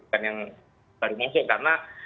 bukan yang baru masuk karena